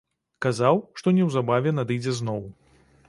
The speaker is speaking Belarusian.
Казаў, што неўзабаве надыдзе зноў.